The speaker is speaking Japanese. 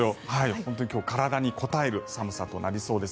本当に今日は体にこたえる寒さとなりそうです。